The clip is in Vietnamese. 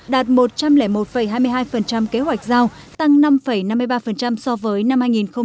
đạt một trăm linh một hai mươi hai kế hoạch giao tăng năm năm mươi ba so với năm hai nghìn một mươi bảy